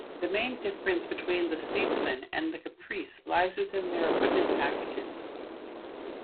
The main difference between the Statesman and the Caprice lies within their equipment packages.